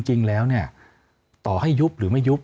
จริงแล้วเนี่ยต่อให้ยุบหรือไม่ยุบ